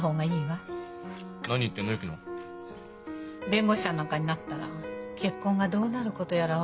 弁護士さんなんかになったら結婚がどうなることやら分からないもの。